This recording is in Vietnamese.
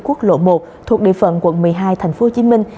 quốc lộ một thuộc địa phận quận một mươi hai thành phố hồ chí minh